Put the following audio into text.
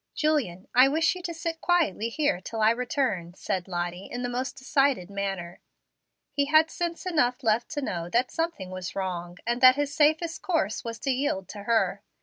"Julian, I wish you to sit quietly here till I return," said Lottie, in the most decided manner. He had sense enough left to know that something was wrong, and that his safest course was to yield to her.